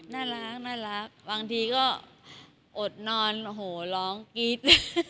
น่ารักน่ารักบางทีก็อดนอนโหร้องกิ๊ด